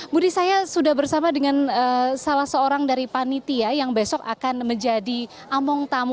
budi saya sudah bersama dengan salah seorang dari panitia yang besok akan menjadi among tamu